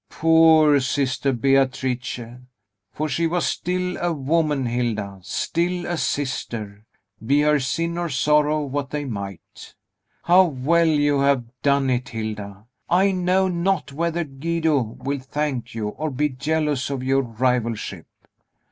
"Poor sister Beatrice! for she was still a woman, Hilda, still a sister, be her sin or sorrow what they might. How well you have done it, Hilda! I knot not whether Guido will thank you, or be jealous of your rivalship."